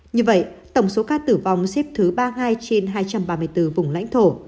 như vậy tổng số ca tử vong xếp thứ ba mươi hai trên hai trăm ba mươi bốn vùng lãnh thổ